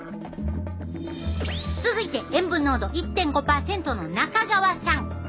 続いて塩分濃度１．５％の中川さん。